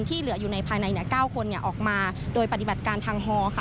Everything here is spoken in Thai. เหลืออยู่ในภายใน๙คนออกมาโดยปฏิบัติการทางฮอค่ะ